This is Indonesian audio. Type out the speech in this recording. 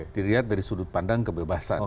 dilihat dari sudut pandang kebebasan